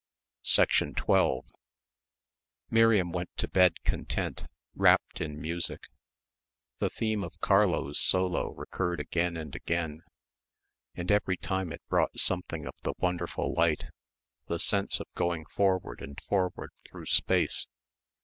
12 Miriam went to bed content, wrapped in music. The theme of Clara's solo recurred again and again; and every time it brought something of the wonderful light the sense of going forward and forward through space.